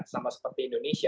sama seperti indonesia